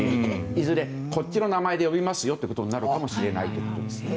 いずれこっちの名前で呼びますよということになるかもしれない。